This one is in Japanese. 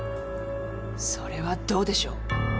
それはどうでしょ？